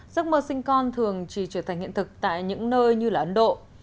giấc mơ sinh con thường chỉ trở thành hiện thực tại những nơi như ấn độ